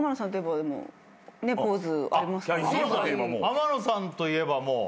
天野さんといえばもう。